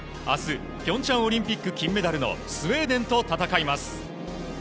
あす、ピョンチャンオリンピック金メダルのスウェーデンと戦います。